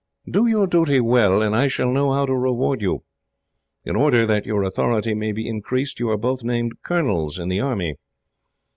"Do your duty well, and I shall know how to reward you. In order that your authority may be increased, you are both named colonels in the army.